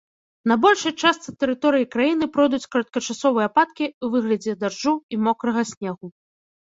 На большай частцы тэрыторыі краіны пройдуць кароткачасовыя ападкі ў выглядзе дажджу і мокрага снегу.